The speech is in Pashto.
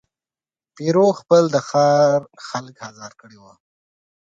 پیرو خپل د ښار خلک آزار کړي وه.